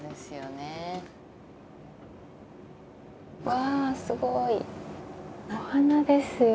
わすごい！お花ですよ